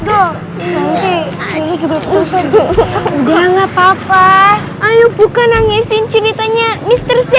dong nanti ini juga bisa sedih udah enggak papa ayo bukan nangisin ceritanya mister